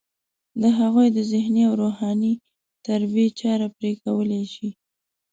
د هغوی د ذهني او روحاني تربیې چاره پرې کولی شي.